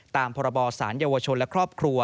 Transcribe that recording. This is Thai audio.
ตามพศเยาวชนและครอบครัว